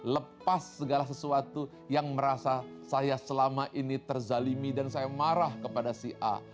lepas segala sesuatu yang merasa saya selama ini terzalimi dan saya marah kepada si a